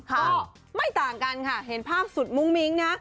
ก็ไม่ต่างกันค่ะเห็นภาพสุดมุ้งมิ้งนะ